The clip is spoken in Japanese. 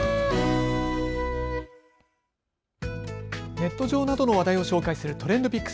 ネット上などの話題を紹介するＴｒｅｎｄＰｉｃｋｓ。